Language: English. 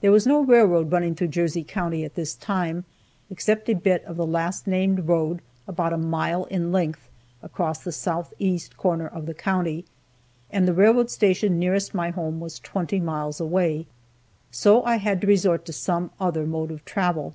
There was no railroad running through Jersey county at this time, (except a bit of the last named road about a mile in length across the southeast corner of the county,) and the railroad station nearest my home was twenty miles away, so I had to resort to some other mode of travel.